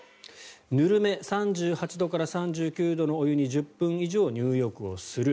ぬるめ３８度から３９度のお湯に１０分以上入浴する。